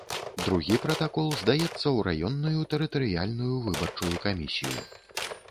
Другі пратакол здаецца ў раённую тэрытарыяльную выбарчую камісію.